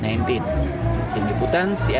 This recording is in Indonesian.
penyiputan cnn indonesia